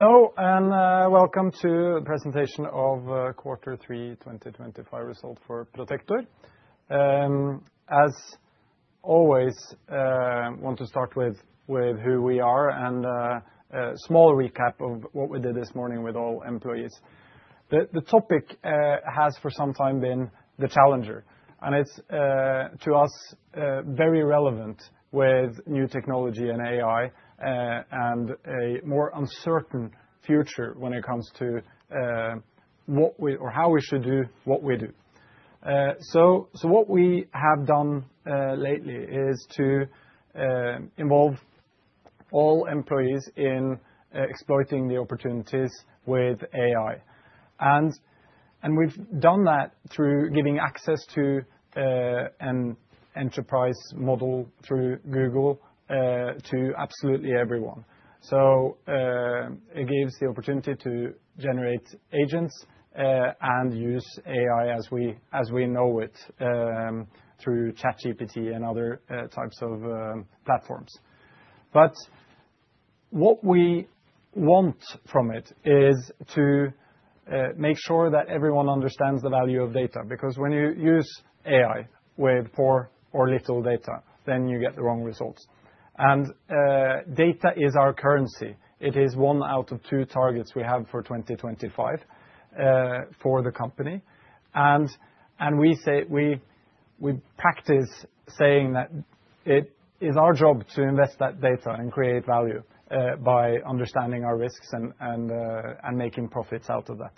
Hello and welcome to the presentation of quarter three 2025 result for Protector. As always, want to start with who we are and small recap of what we did this morning with all employees. The topic has for some time been the challenger and it's to us very relevant with new technology and AI and a more uncertain future when it comes to. How we should do what we do, so what we have done lately is to involve all employees in exploiting the opportunities with AI, and we've done that through giving access to an enterprise model through Google to absolutely everyone, so it gives the opportunity to generate agents and use AI as we know it through ChatGPT and other types of platforms, but what we want from it is to make sure that everyone understands the value of data, because when you use AI with poor or little data, then you get the wrong results, and data is our currency. It is one out of two targets we have for 2025 for the company, and we say, we practice saying that it is our job to invest that data and create value by understanding our risks and making profits out of that.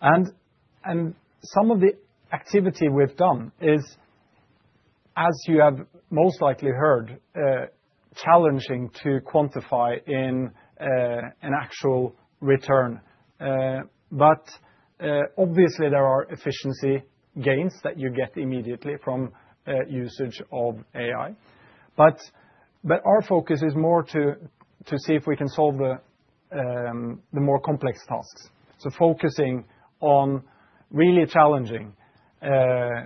And some of the activity we've done is, as you have most likely heard, challenging to quantify in an actual return. But obviously there are efficiency gains that you get immediately from usage of AI. But our focus is more to see if we can solve the more complex tasks. So focusing on really challenging AI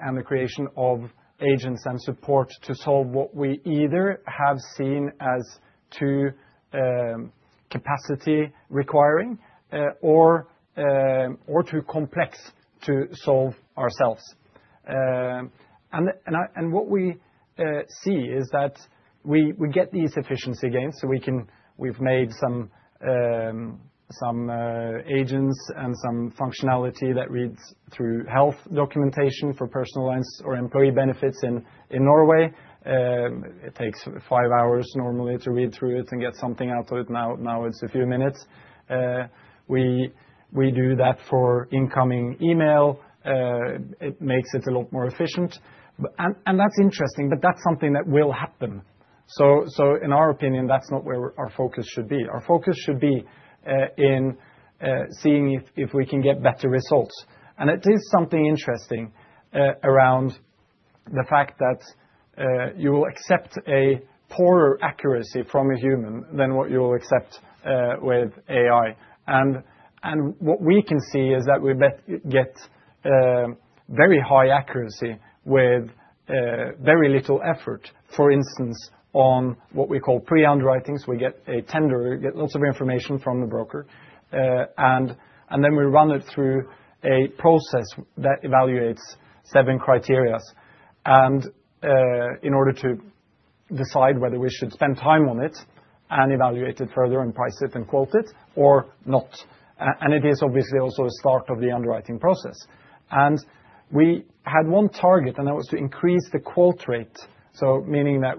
and the creation of agents and support to solve what we either have seen as too capacity requiring or too complex to solve ourselves. And what we see is that we get these efficiency gains. So we've made some. Agents and some functionality that reads through health documentation for personal lines or employee benefits. In Norway it takes five hours normally to read through it and get something out of it. Now it's a few minutes. We do that for incoming email. It makes it a lot more efficient and that's interesting, but that's something that will happen. So in our opinion, that's not where our focus should be. Our focus should be in seeing if we can get better results. And it is something interesting around the fact that you will accept a poorer accuracy from a human than what you will accept with AI. And what we can see is that we get very high accuracy with very little effort. For instance, on what we call pre-underwritings, we get a tender, lots of information from the broker and then we run it through a process that evaluates seven criteria and in order to decide whether we should spend time on it and evaluate it further and price it and quote it or not. And it is obviously also a start of the underwriting process. And we had one target and that was to increase the quote rate. So. Meaning that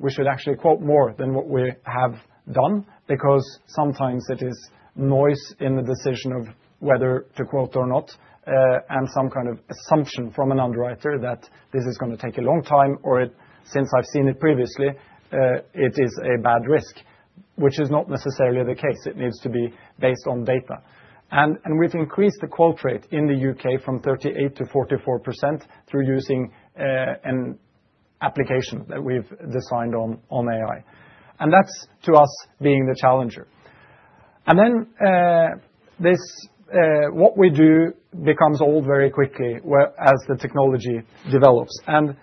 we should actually quote more than what we have done. Because sometimes it is noise in the decision of whether to quote or not and some kind of assumption from an underwriter that this is going to take a long time or since I've seen it previously, it is a bad risk, which is not necessarily the case. It needs to be based on data. And we've increased the quote rate in the U.K. from 38%-44% through using an application that we've designed on AI. And that's to us being the challenger. And then. What we do becomes old very quickly as the technology develops and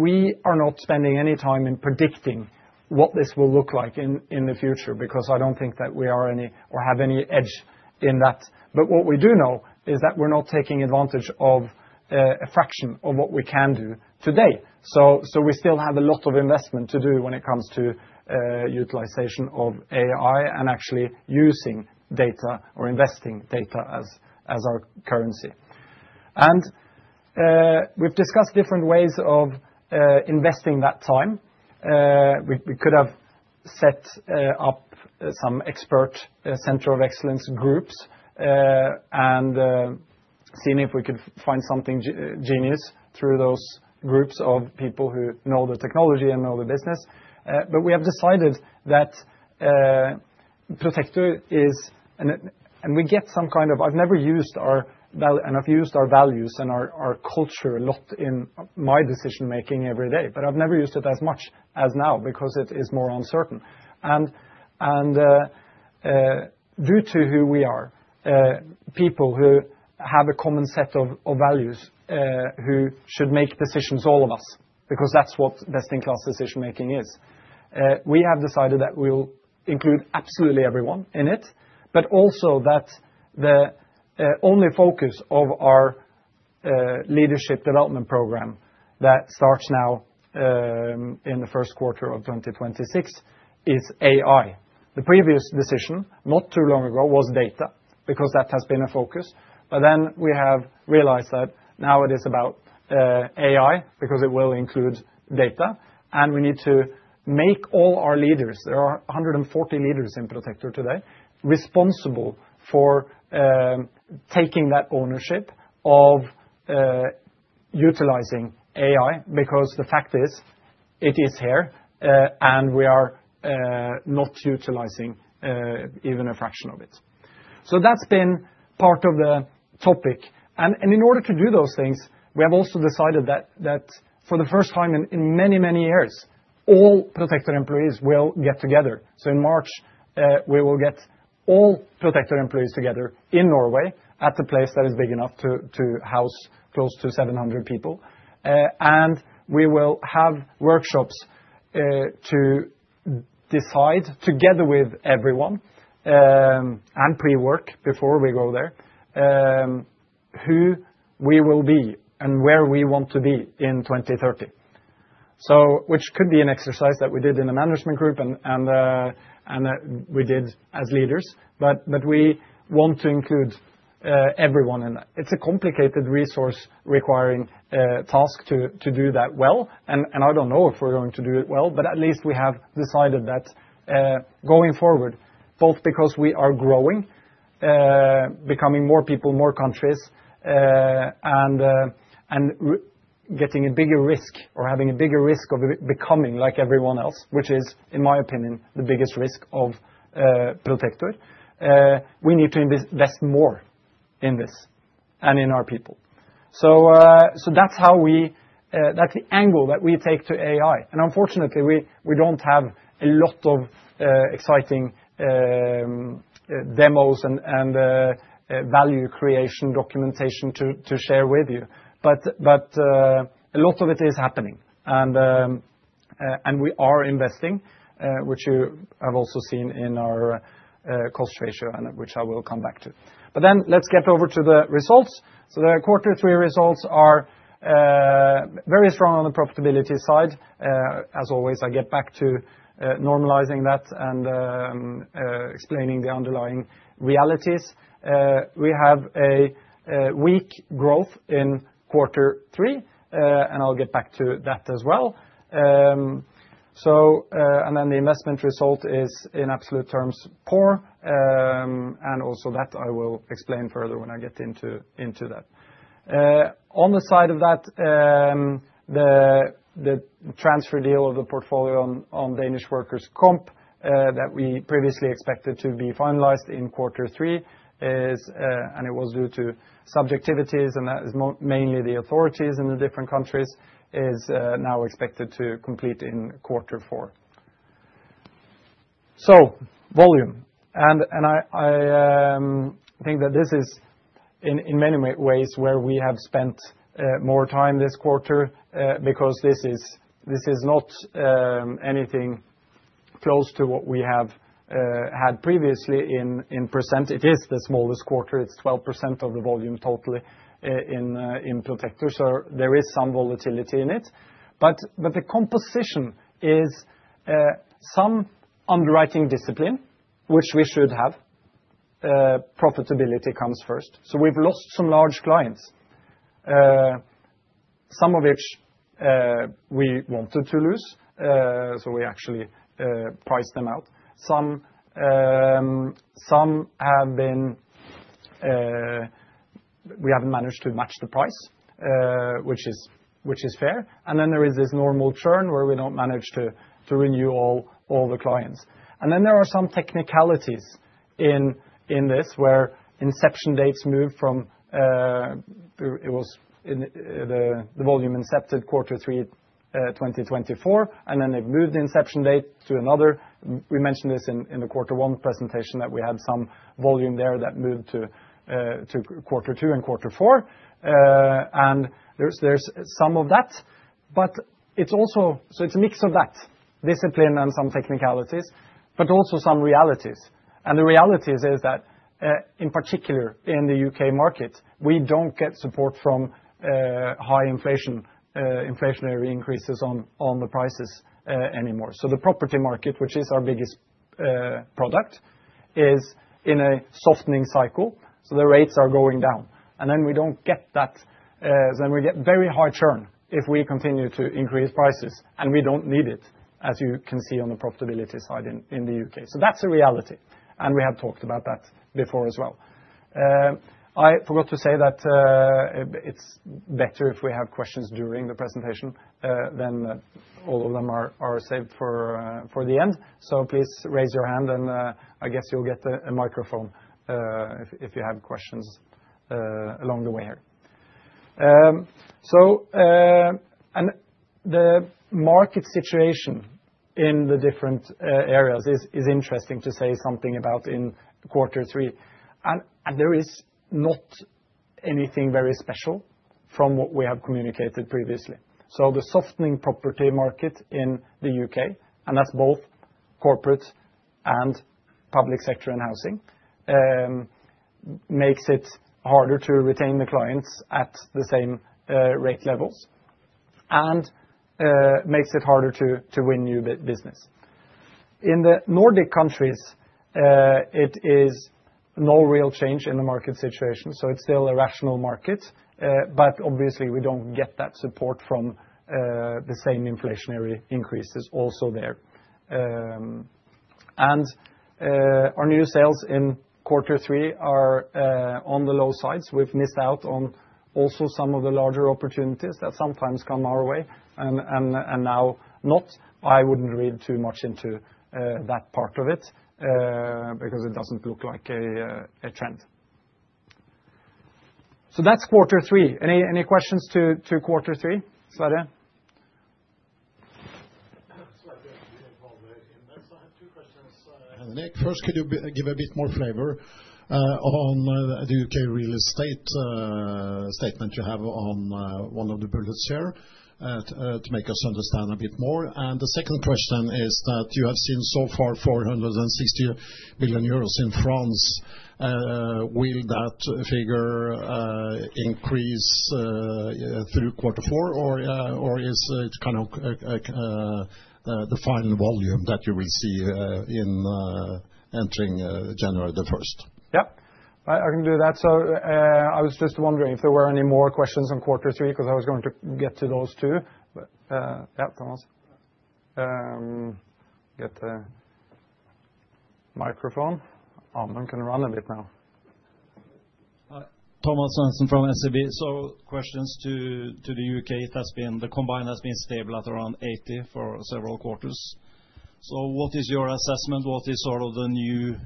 we are not spending any time in predicting what this will look like in the future because I don't think that we are any or have any edge in that. But what we do know is that we're not taking advantage of a fraction of what we can do today. So we still have a lot of investment to do when it comes to utilization of AI and actually using data or investing data as our currency. And we've discussed different ways of investing that time. We could have set up some expert center of excellence groups and seen if we could find something genius through those groups of people who know the technology and know the business. But we have decided that. I've used our values and our culture a lot in my decision making every day, but I've never used it as much as now because it is more uncertain and. Due to who we are, people who have a common set of values who should make decisions, all of us, because that's what best in class decision making is. We have decided that we will include absolutely everyone in it. But also that the only focus of our leadership development program that starts now in the first quarter of 2026 is AI. The previous decision not too long ago was data because that has been a focus. But then we have realized that now it is about AI because it will include data and we need to make all our leaders. There are 140 leaders in Protector today responsible for taking that ownership of utilizing AI because the fact is it is here and we are not utilizing even a fraction of it. So that's been part of the topic. And in order to do those things, we have also decided that for the first time in many, many years, all protected employees will get together. So in March we will get all protected employees together, in Norway at a place that is big enough to house close to 700 people, and we will have workshops to decide together with everyone. And pre-work before we go there, who we will be and where we want to be in 2030. So which could be an exercise that we did in the management group and we did as leaders. But we want to include everyone in that. It's a complicated resource-requiring task to do that well. And I don't know if we're going to do it well. But at least we have not decided that going forward. Both because we are growing, becoming more people, more countries and. Getting a bigger risk or having a bigger risk of becoming like everyone else, which is, in my opinion, the biggest risk of Protector. We need to invest more in this and in our people, so that's how we. That's the angle that we take to AI. And unfortunately we don't have a lot of exciting. Demos and value creation documentation to share with you, but a lot of it is happening. And we are investing which you have also seen in our cost ratio and which I will come back to. But then let's get over to the results. So the quarter three results are very strong on the profitability side as always. I get back to normalizing that and explaining the underlying realities. We have a weak growth in quarter three and I'll get back to that as well. And then the investment result is in absolute terms poor. And also that I will explain further when I get into that. On the side of that, the transfer deal of the portfolio on Danish workers' comp that we previously expected to be finalized in quarter three and it was due to subjectivities, and that is mainly the authorities in the different countries, is now expected to complete in quarter four. So, volume, and I think that this is in many ways where we have spent more time this quarter because this is not anything close to what we have had previously. In percent, it is the smallest quarter. It's 12% of the volume totally in Protector. So, there is some volatility in it, but the composition is some underwriting discipline which we should have. Profitability comes first. So, we've lost some large clients. Some of which we wanted to lose. So we actually priced them out. Some have been. We haven't managed to match the price. Which is fair, and then there is this normal churn where we don't manage to renew all the clients, and then there are some technicalities in this where inception dates move from it was the volume incepted quarter 3, 2024 and then they've moved the inception date to another. We mentioned this in the quarter one presentation that we had some volume there that moved to quarter 2 and quarter 4 and there's some of that, but it's also, so it's a mix of that discipline and some technicalities, but also some realities, and the reality is that in particular in the U.K. market we don't get support from high inflation, inflationary increases on the prices anymore, so the property market, which is our biggest product, is in a softening cycle. So the rates are going down and then we don't get that, then we get very high churn if we continue to increase prices and we don't need it, as you can see on the profitability side in the U.K. So that's a reality and we have talked about that before as well. I forgot to say that it's better if we have questions during the presentation than all of them are saved for the end. So please raise your hand and I guess you'll get a microphone if you have questions along the way here. So. The market situation in the different areas is interesting to say something about in quarter three and there is not anything very special from what we have communicated previously, so the softening property market in the U.K., and that's both corporate and public sector and housing. Makes it harder to retain the clients at the same rate levels and makes it harder to win new business. In the Nordic countries it is no real change in the market situation. So it's still a rational market, but obviously we don't get that support from the same inflationary increases also there. Our new sales in quarter three are on the low sides. We've missed out on also some of the larger opportunities that sometimes come our way and now not. I wouldn't read too much into that part of it because it doesn't look like a trend. So that's quarter three. Any questions to quarter three? First, could you give a bit more flavor on the U.K. real estate statement? You have on one of the bullets here to make us understand a bit more. And the second question is that you have seen so far EUR 460 million in France. Will that figure increase through quarter four or is it kind of? The final volume that you will see in entering January 1st? Yep, I can do that. So I was just wondering if there were any more questions on quarter three, because I was going to get to those two. Thomas. Get the. Microphone. I can run a bit now. Thomas from SEB. So, questions to the U.K. It has been the combined has been stable at around 80 for several quarters. So, what is your assessment? What is sort of the new?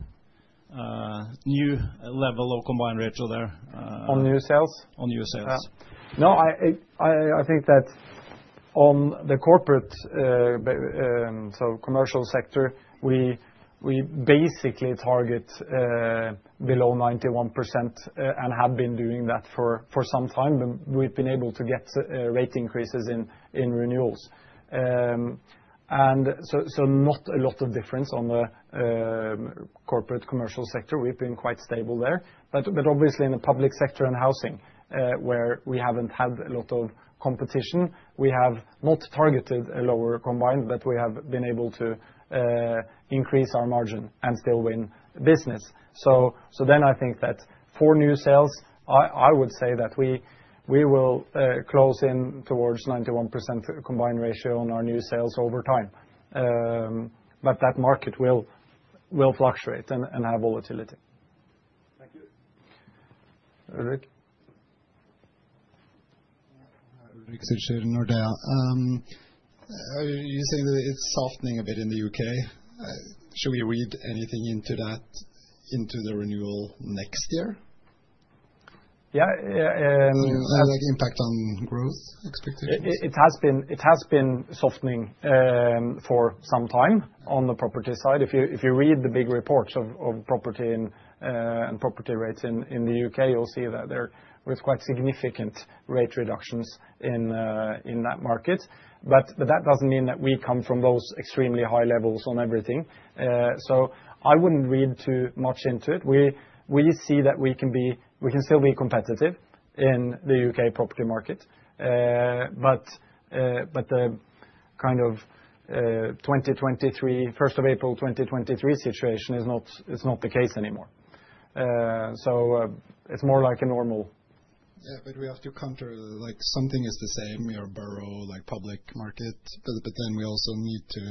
Level of combined. Ratio there on new sales on your sales? No, I think that on the corporate. So commercial sector we basically target below 91% and have been doing that for some time. We've been able to get rate increases in renewals. And so, not a lot of difference on the corporate commercial sector. We've been quite stable there, but obviously in the public sector and housing, where we haven't had a lot of competition, we have not targeted a lower combined, but we have been able to increase our margin and still win business. So then, I think that for new sales, I would say that we will close in towards 91% combined ratio on our new sales over time. But that market will fluctuate and have volatility. You say that it's softening a bit in the U.K. Should we read anything into that? Into the renewal next year? Yeah. Impact on growth expectations. It has been softening for some time. On the property side, if you read the big reports of property in property rates in the U.K., you'll see that there was quite significant rate reductions in that market. But that doesn't mean that we come from those extremely high levels on everything. So I wouldn't read too much into it. We see that we can still be competitive in the U.K. property market. But the kind of 2023 1st of April 2023 situation is not. It's not the case anymore. So it's more like a normal. Yeah, but we have to counter, like, something is the same. Your borough, like public market, but then we also need to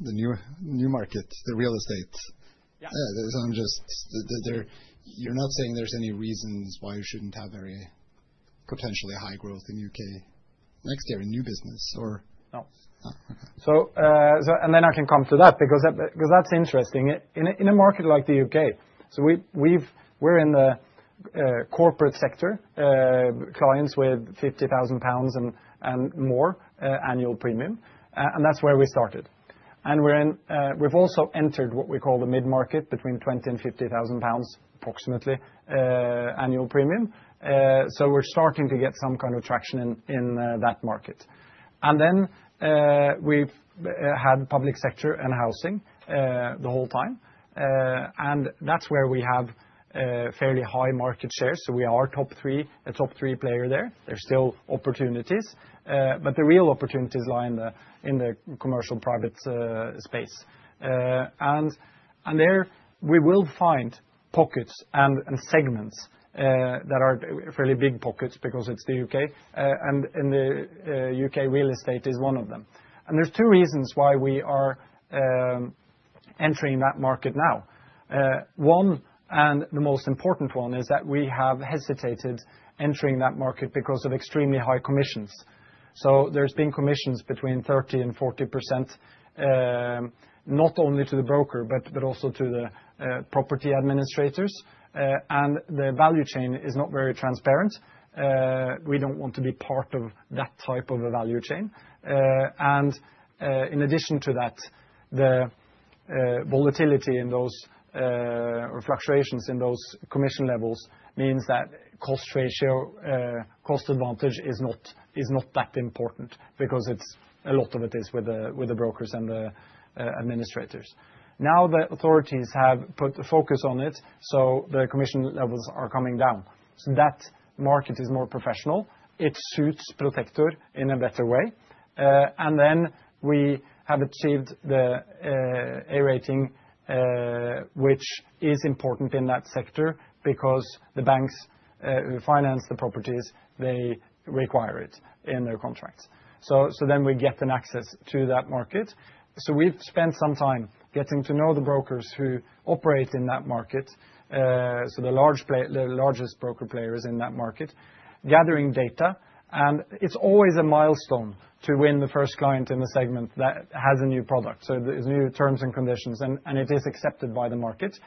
the new market, the real estate. You're not saying there's any reasons why you shouldn't have very potentially high growth in U.K. next year in new business, or no? And then I can come to that because that's interesting in a market like the U.K. So we're in the corporate sector, clients with 50,000 pounds and more annual premium. And that's where we started. And we've also entered what we call the mid-market, between 20,000 and 50,000 pounds approximately annual premium. So we're starting to get some kind of traction in that market. And then we've had public sector and housing the whole time and that's where we have fairly high market share. So we are a top three player there. There's still opportunities, but the real opportunities lie in the commercial private space. And there we will find pockets and segments that are fairly big pockets because it's the U.K. and the U.K. real estate is one of them. And there's two reasons why we are. Entering that market now. One, and the most important one is that we have hesitated entering that market because of extremely high commissions. So there's been commissions between 30% and 40%. Not only to the broker but also to the property administrators. And the value chain is not very transparent. We don't want to be part of that type of a value chain. And in addition to that, the volatility in those fluctuations in those commission levels means that cost ratio, cost advantage is not that important because it's a lot of it is with the brokers and the administrators. Now the authorities have put a focus on it. So the commission levels are coming down. So that market is more professional, it suits Protector in a better way. And then we have achieved the A rating which is important in that sector because the banks finance the properties, they require it in their contracts. So then we get an access to that market. So we've spent some time getting to know the brokers who operate in that market. So, the largest broker players in that market gathering data. And it's always a milestone to win the first client in the segment that has a new product. So there's new terms and conditions and it is accepted by the market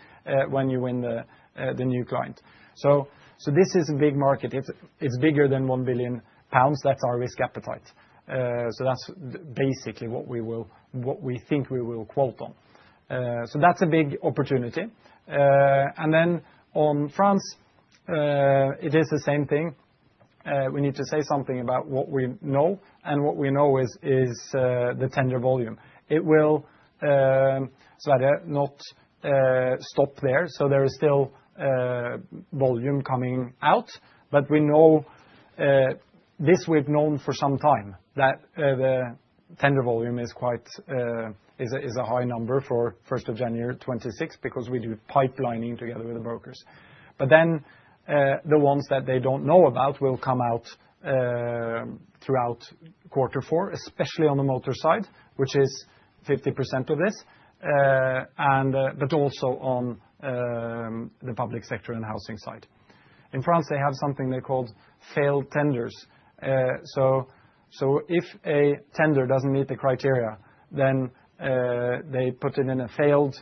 when you win the new client. So this is a big market, it's bigger than 1 billion pounds. That's our risk appetite. So that's basically what we will, what we think we will quote on. So that's a big opportunity. And then on France it is the same thing. We need to say something about what we know. And what we know is the tender volume. It will. Not stop there. So there is still volume coming out. But we know. This, we've known for some time that the tender volume is quite a high number for 1st of January 2026 because we do pipelining together with the brokers. But then the ones that they don't know about will come out throughout quarter four, especially on the motor side, which is 50% of this. But also on the public sector and housing side in France, they have something they called failed tenders. So if a tender doesn't meet the criteria, then they put it in a failed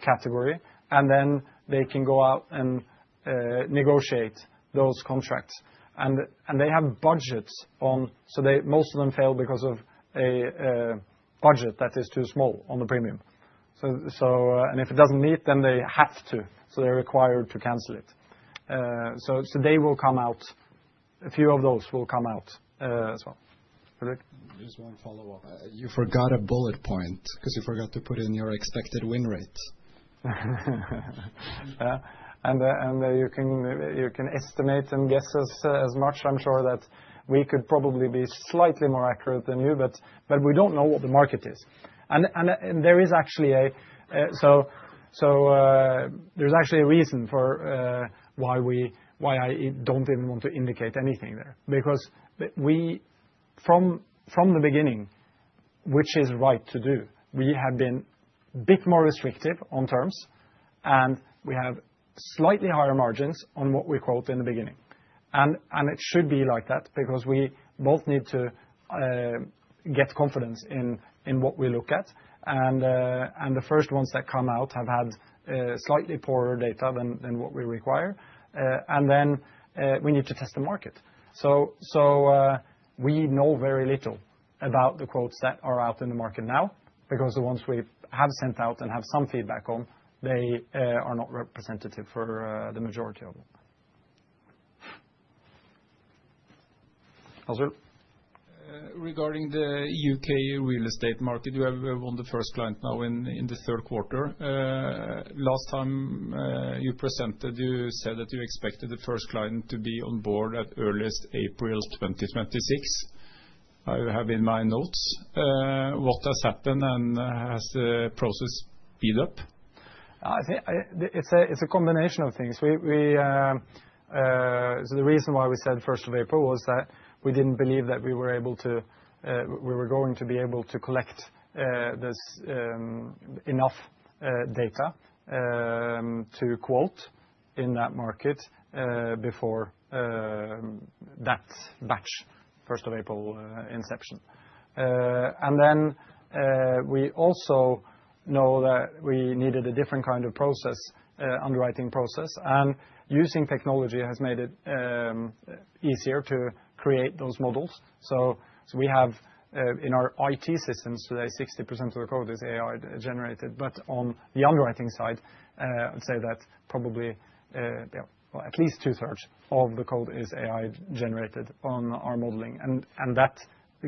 category and then they can go out and negotiate those contracts. And they have budgets on. So most of them fail because of a budget that is too small on the premium and if it doesn't meet, then they have to. So they're required to cancel it. So they will come out. A few of those will come out as well. Just one follow up, you forgot a bullet point because you forgot to put in your expected win rate. And you can estimate and guess as much. I'm sure that we could probably be slightly more accurate than you. But we don't know what the market is. There's actually a reason why I don't even want to indicate anything there because we, from the beginning, which is right to do, have been a bit more restrictive on terms and we have slightly higher margins on what we quote in the beginning, and it should be like that because we both need to get confidence in what we look at, and the first ones that come out have had slightly poorer data than what we require, and then we need to test the market. So we know very little about the quotes that are out in the market now because the ones we have sent out and have some feedback on, they are not representative for the majority of them. Ariel, regarding the U.K. real estate market, you have won the first client now in the third quarter. Last time you presented, you said that you expected the first client to be on board at earliest April 2026. I have in my notes what has happened, and has the process speed up? It's a combination of things. So the reason why we said 1st of April was that we didn't believe that we were going to be able to collect. Enough data to quote in that market before. That batch 1st of April inception, and then we also know that we needed a different kind of process: underwriting process, and using technology has made it easier to create those models, so we have in our IT systems today 60% of the code is AI-generated. But on the underwriting side, I'd say that probably at least 2/3 of the code is AI-generated on our modeling, and that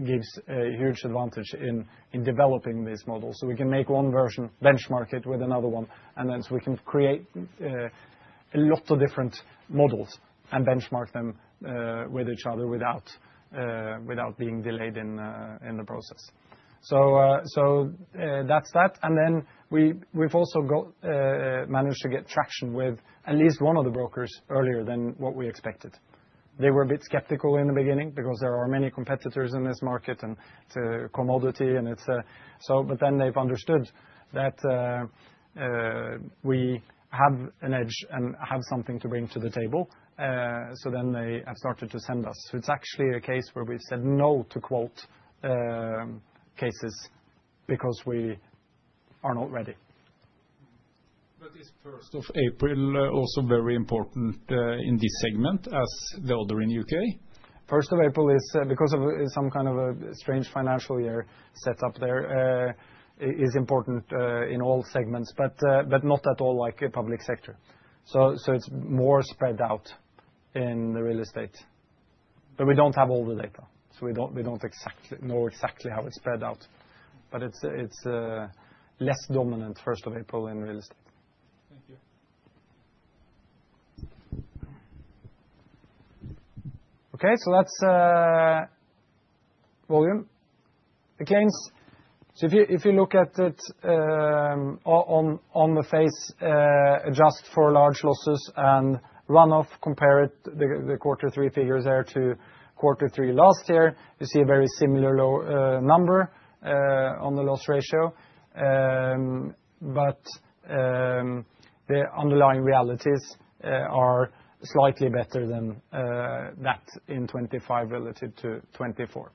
gives a huge advantage in developing these models, so we can make one version, benchmark it with another one and then so we can create a lot of different models and benchmark them with each other without being delayed in the process, so that's that, and then we've also managed to get traction with at least one of the brokers earlier than what we expected. They were a bit skeptical in the beginning because there are many competitors in this market and it's a commodity and it's, but then they've understood that. We have an edge and have something to bring to the table, so then they have started to send us. It's actually a case where we've said no to quote cases because we are not ready. But is 1st of April also very important in this segment as the order? In U.K., first of April is because of some kind of a strange financial year setup there is important in all segments, but not at all like public sector, so it's more spread out in the real estate, but we don't have all the data, so we don't know exactly how it's spread out, but it's less dominant first of April in real estate. Okay, so that's. Volume against, so if you look at it on the page, adjust for large losses and run-off. Compare it to the quarter three figures there to quarter three last year. You see a very similar low number on the loss ratio. But the underlying realities are slightly better than that in 2025 relative to 2024.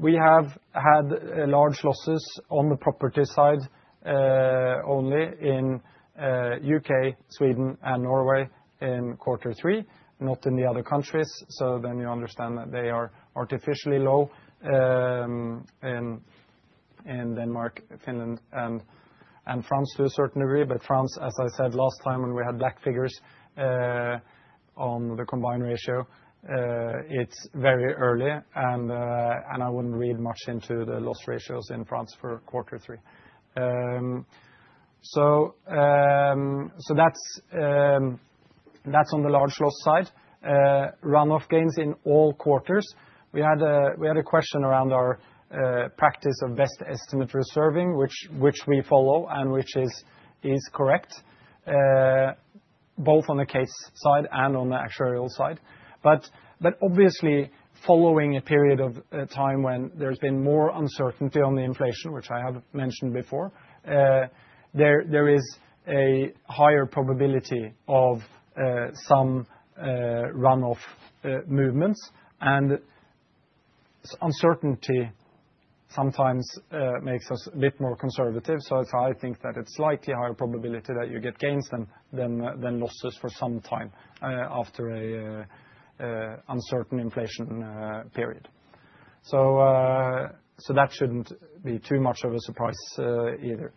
We have had large losses on the property side only in U.K., Sweden and Norway in quarter three, not in the other countries. So then you understand that they are artificially low. In Denmark, Finland, and France to a certain degree, but France, as I said last time when we had black figures on the combined ratio, it's very early and I wouldn't read much into the loss ratios in France for quarter three. So. That's on the large loss side, run off gains in all quarters. We had a question around our practice of best estimate reserving, which we follow and which is correct. Both on the case side and on the actuarial side. But obviously following a period of time when there's been more uncertainty on the inflation, which I have mentioned before. There is a higher probability of some run-off movements and uncertainty sometimes makes us a bit more conservative. So I think that it's slightly higher probability that you get gains than losses for some time after an uncertain inflation period. So that shouldn't be too much of a surprise either.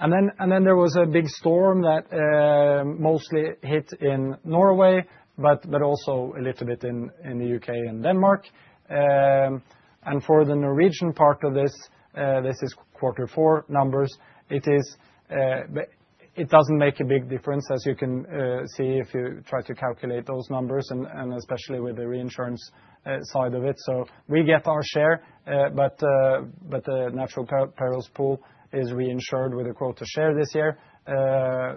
And then there was a big storm that mostly hit in Norway, but also a little bit in the U.K. and Denmark. And for the Norwegian part of this, this is quarter four numbers. It doesn't make a big difference, as you can see if you try to calculate those numbers, and especially with the reinsurance side of it. So we get our share, but the Natural Perils Pool is reinsured with a quota share this year.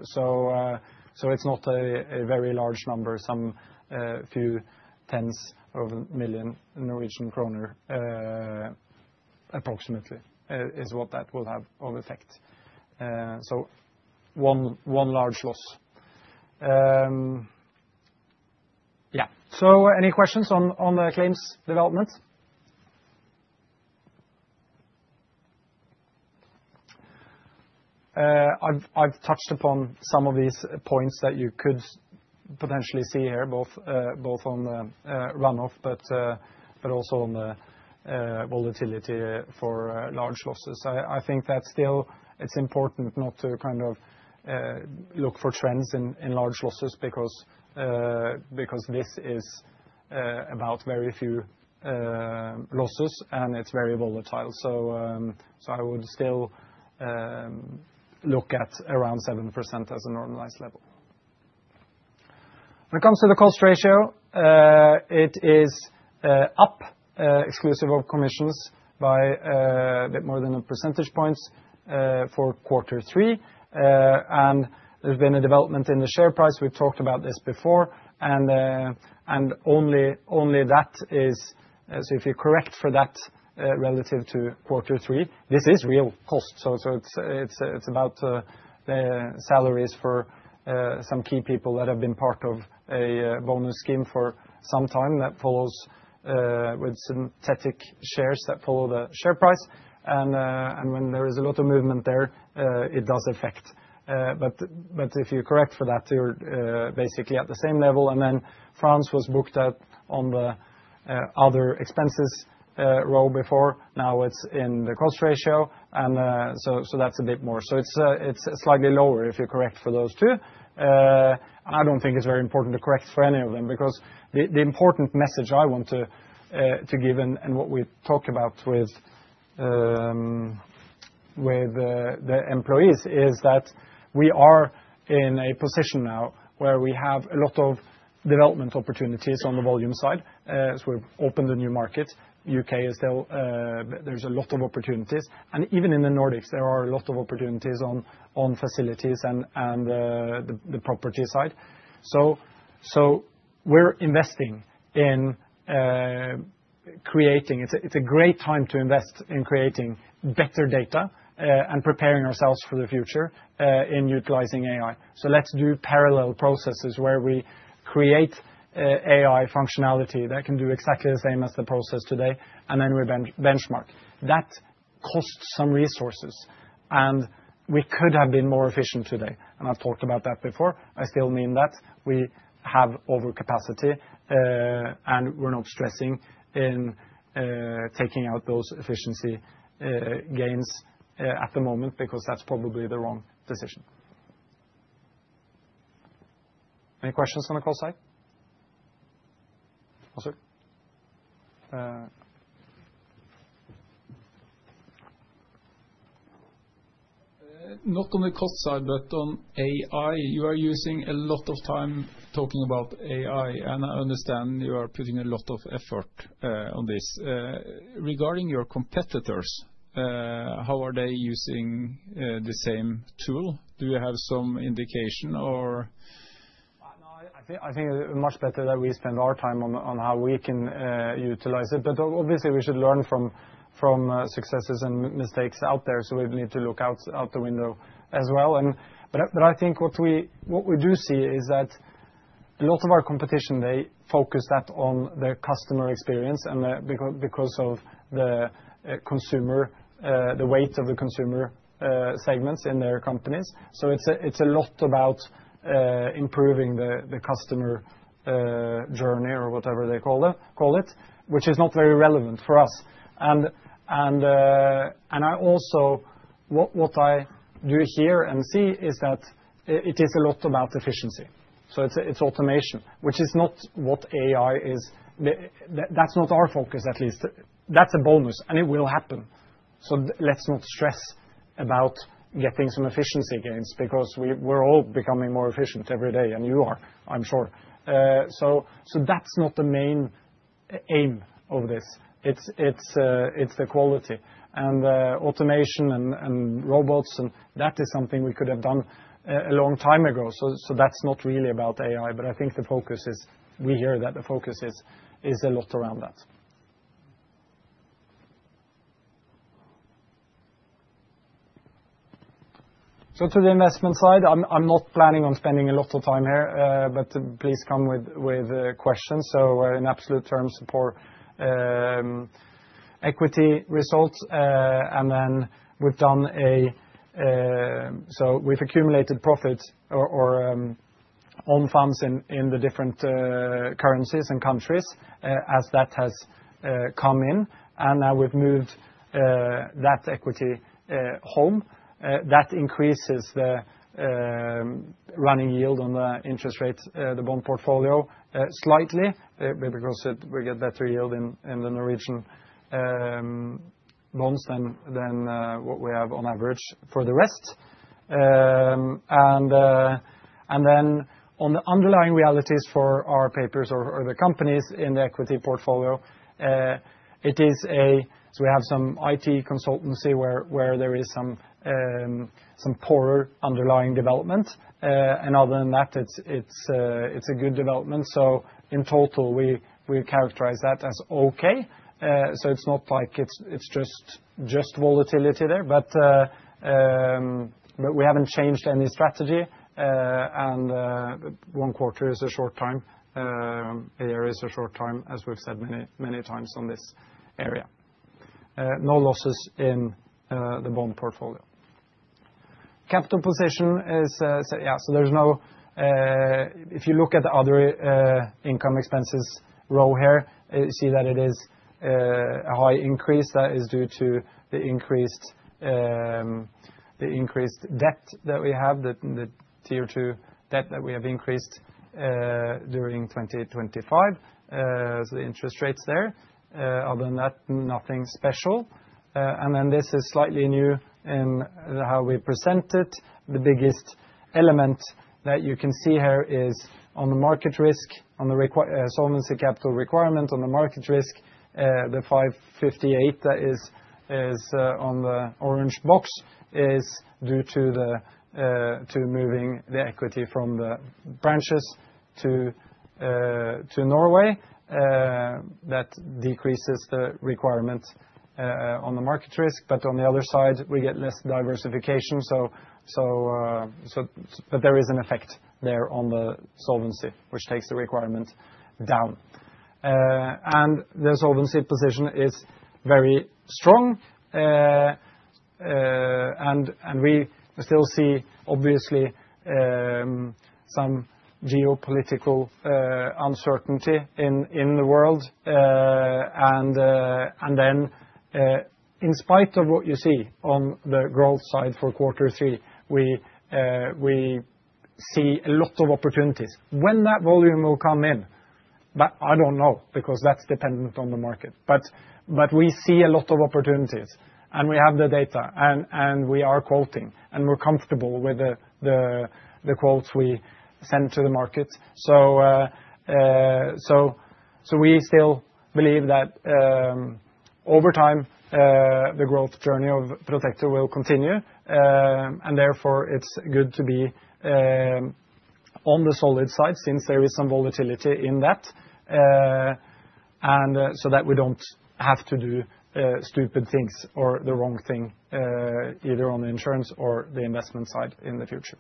So it's not a very large number. Some few tens of million Norwegian kroner. Approximately is what that will have of effect, so one large loss. Yeah, so any questions on the claims development? I've touched upon some of these points that you could potentially see here, both on the run-off, but also on the volatility for large losses. I think that still it's important not to kind of look for trends in large losses because. This is about very few losses and it's very volatile, so I would still. Look at around 7% as a normalized level. When it comes to the cost ratio, it is up exclusive of commissions by a bit more than a percentage point for quarter three, and there's been a development in the share price. We've talked about this before. And only that is. So if you correct for that relative to quarter three, this is real cost. So it's about salaries for some key people that have been part of a bonus scheme for some time that follows with synthetic shares that follow the share price. And when there is a lot of movement there, it does affect. But if you're correct for that, you're basically at the same level. And then France was booked on the other expenses row before. Now it's in the cost ratio, and so that's a bit more. So it's slightly lower. If you're correct for those two. I don't think it's very important to correct for any of them because the important message I want to give and what we talk about with. With the employees is that we are in a position now where we have a lot of development opportunities. On the volume side, as we opened a new market U.K., there's a lot of opportunities and even in the Nordics there are a lot of opportunities on facilities and the property side. So we're investing in. Creating. It's a great time to invest in creating better data and preparing ourselves for the future in utilizing AI. So let's do parallel processes where we create AI functionality that can do exactly the same as the process today, and then we benchmark that costs some resources and we could have been more efficient today. And I've talked about that before. I still mean that we have overcapacity and we're not stressing in taking out those efficiency gains at the moment because that's probably the wrong decision. Any questions on the call side? Not on the cost side, but on AI, you are using a lot of time talking about AI and I understand you are putting a lot of effort on this. Regarding your competitors, how are they using the same tool? Do you have some indication or. I think much better that we spend our time on how we can utilize it. But obviously we should learn from successes and mistakes out there. So we need to look out the window as well. But I think what we do see is that a lot of our competition, they focus that on their customer experience and because of the consumer, the weight of the consumer segments in their companies. So it's a lot about improving the customer journey or whatever they call it, which is not very relevant for us. And also what I do here and see is that it is a lot about efficiency. So it's automation, which is not what AI is. That's not our focus. At least that's a bonus and it will happen. So let's not stress about getting some efficiency gains because we're all becoming more efficient every day. And you are, I'm sure. So that's not the main aim of this. It's the quality and automation and robots. And that is something we could have done a long time ago. So that's not really about AI, but I think the focus is. We hear that the focus is a lot around that. So, to the investment side, I'm not planning on spending a lot of time here, but please come with questions. So, in absolute terms for. Equity results, and then we've done. So we've accumulated profits on funds in the different currencies and countries as that has come in. And now we've moved that equity home. That increases the running yield on the interest rate, the bond portfolio, slightly, because we get better yield in the Norwegian. Bonds than what we have on average for the rest. And then, on the underlying realities for our peers or the companies in the equity portfolio, it is. So we have some IT consultancy where there is some poorer underlying development, and other than that, it's a good development. So in total, we characterize that as okay. So it's not like it's just volatility there, but. We haven't changed any strategy, and one quarter is a short time horizon. As we've said many, many times on this area, no losses in the bond portfolio. Capital position is. Yeah. So there's no. If you look at the other income expenses row here, you see that it is a high increase that is due to the increased debt that we have. That Tier 2 debt that we have increased during 2025, the interest rates there. Other than that, nothing special, and then this is slightly new in how we present it. The biggest element that you can see here is on the market risk, on the Solvency Capital Requirement on the market risk, the 558 that is on the orange box is due to moving the equity from the branches to Norway. That decreases the requirement on the market risk. But on the other side we get less diversification. But there is an effect there on the solvency which takes the requirement down. And the solvency position is very strong. We still see obviously. Some geopolitical uncertainty in the world. And then, in spite of what you see on the growth side for quarter three, we see a lot of opportunities when that volume will come in, but I don't know because that's dependent on the market. But we see a lot of opportunities and we have the data and we are quoting and we're comfortable with the quotes we send to the market. So we still believe that over time the growth journey of Protector will continue and therefore it's good to be. On the solid side since there is some volatility in that. And so that we don't have to do stupid things or the wrong thing either on the insurance or the investment side in the future.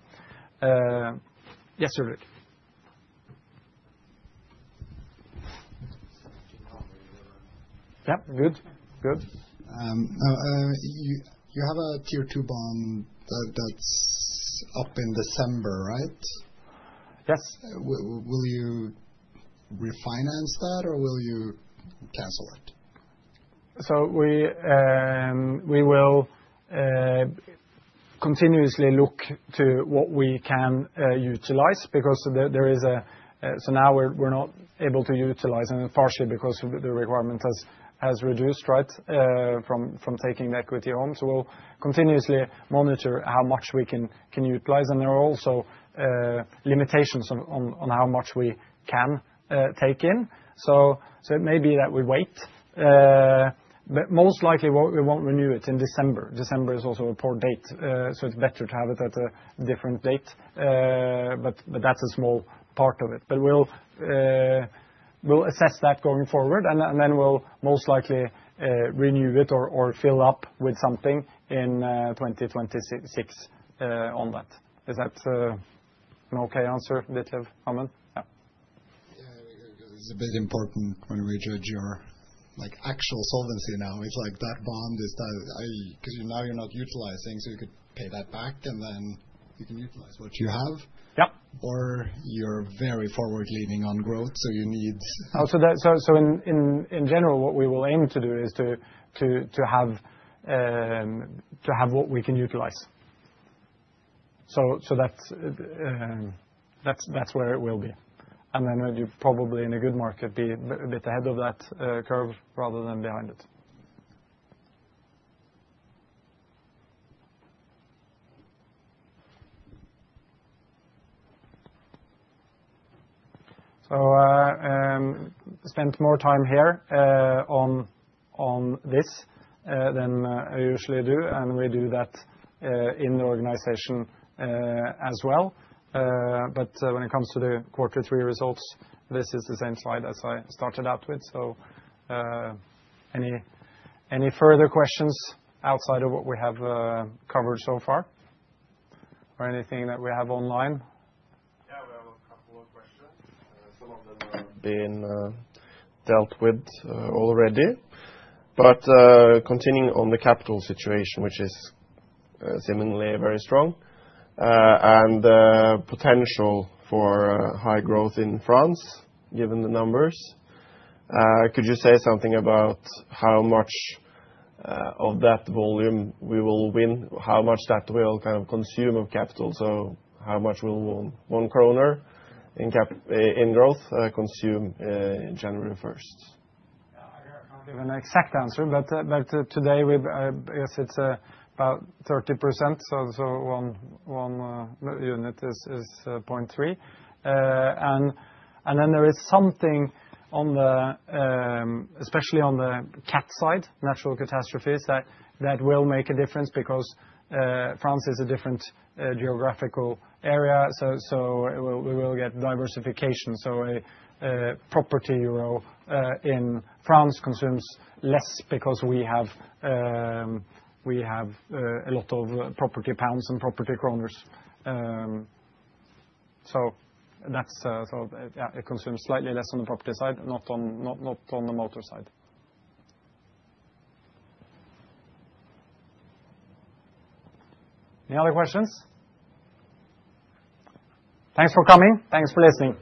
Yes, Ulrik? Yep, good, good. You have a Tier 2 bond that's up in December, right? Yes. Will you refinance that or will you cancel it? So we will. Continuously look to what we can utilize, so now we're not able to utilize and partially because the requirement has reduced right from taking equity on, so we'll continuously monitor how much we can utilize and there are also limitations on how much we can take in, so it may be that we wait but most likely we won't renew it in December. December is also a poor date, so it's better to have it at a different date, but that's a small part of it, but we'll assess that going forward and then we'll most likely renew it or fill up with something in 2026 on that. Is that an okay answer that you have? It's a bit important when we judge your actual solvency. Now it's like that bond is because now you're not utilizing, so you could pay that back and then you can utilize what you have, or you're very forward leaning on growth, so you need. So, in general, what we will aim to do is. To have what we can utilize. So. That's where it will be, and then you probably in a good market be a bit ahead of that curve rather than behind it. So spent more time here on this than I usually do and we do that in the organization as well. But when it comes to the quarter three results, this is the same slide as I stated started out with. So. Any further questions outside of what we have covered so far or anything that we have online? Yeah, we have a couple of questions. Some of them have been dealt with already, but continuing on the capital situation, which is seemingly very strong and potential for high growth in France, given the numbers, could you say something about how much of that volume we will win, how much that will kind of consume of capital? So how much will 1 kroner in growth consume January 1st? I can't give an exact answer, but today it's about 30%, so one unit is 0.3. There is something. Especially on the cat side, natural catastrophes that will make a difference because France is a different geographical area. So we will get diversification. So a property euro in France consumes less because we have. We have a lot of property pounds and property kroners. So that's consumed slightly less on the property side, not on the motor side. Any other questions? Thanks for coming. Thanks for listening.